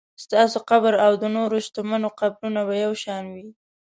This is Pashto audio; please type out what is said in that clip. ستاسو قبر او د نورو شتمنو قبرونه به یو شان وي.